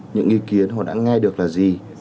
những ý kiến họ đã nghe được là gì